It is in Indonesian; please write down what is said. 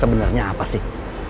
sebenarnya apa sih